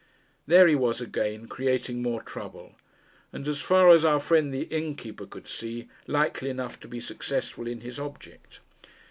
There he was again, creating more trouble; and, as far as our friend the innkeeper could see, likely enough to be successful in his object.